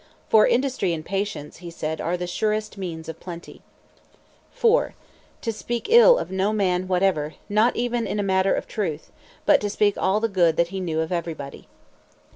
"For industry and patience," he said, "are the surest means of plenty." 4. To speak ill of no man whatever, not even in a matter of truth; but to speak all the good he knew of everybody.